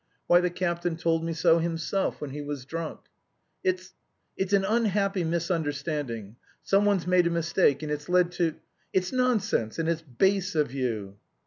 Why, the captain told me so himself when he was drunk." "It's... it's an unhappy misunderstanding. Some one's made a mistake and it's led to... It's nonsense, and it's base of you."